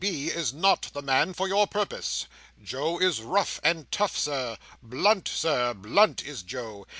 B. is not the man for your purpose. Joe is rough and tough, Sir; blunt, Sir, blunt, is Joe.